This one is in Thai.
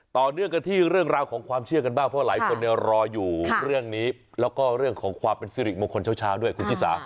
ต่อเนื่องกันที่เรื่องราวของความเชื่อกันบ้างเพราะหลายคนเนี่ยรออยู่เรื่องนี้แล้วก็เรื่องของความเป็นสิริมงคลเช้าด้วยคุณชิสา